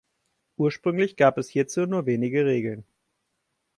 Ursprünglich gab es hierzu nur wenige Regeln.